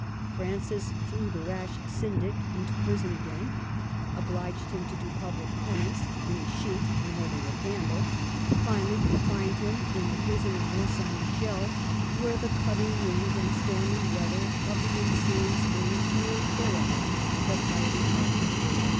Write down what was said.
Francis threw the rash syndic into prison again; obliged him to do public penance, in a sheet and holding a candle ; finally confined him in the prison of Mont St. Michel, where the cutting winds and stormy weather of the ensuing spring cooled forever the fiery heart of Beda.